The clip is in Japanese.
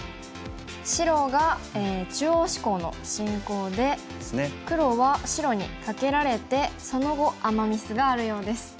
白が中央志向の進行で黒は白にカケられてその後アマ・ミスがあるようです。